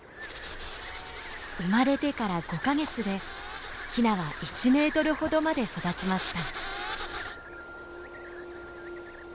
生まれてから５か月でヒナは１メートルほどまで育ちました。